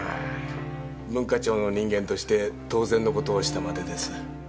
文化庁の人間として当然の事をしたまでです。